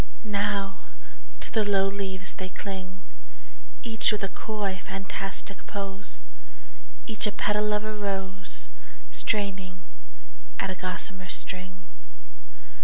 Now to the low leaves they cling, Each with coy fantastic pose, Each a petal of a rose Straining at a gossamer string.